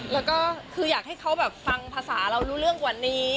แล้วก็คืออยากให้เขาแบบฟังภาษาเรารู้เรื่องกว่านี้